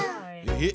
え？